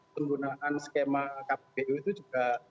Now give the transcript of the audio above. penggunaan skema kppu itu juga